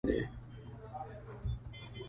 انسان څه ته پیدا شوی دی؟